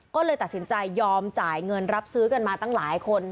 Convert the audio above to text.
ก็เลยตัดสินใจยอมจ่ายเงินรับซื้อกันมาตั้งหลายคน